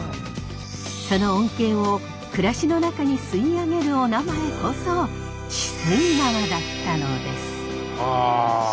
その恩恵を暮らしの中に吸い上げるおなまえこそ血吸川だったのです。